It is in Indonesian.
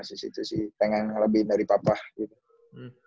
gitu sih tengah lebih dari papa gitu